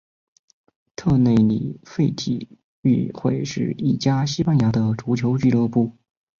特内里费体育会是一家西班牙的足球俱乐部。